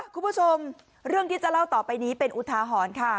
คุณผู้ชมเรื่องที่จะเล่าต่อไปนี้เป็นอุทาหรณ์ค่ะ